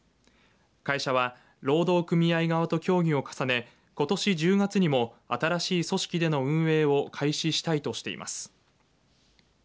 会社は労働組合側と協議を重ねことし１０月にも新しい組織での運営を開始したいとしています。